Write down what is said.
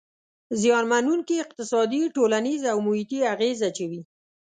زیانمنووونکي اقتصادي، ټولنیز او محیطي اغیز اچوي.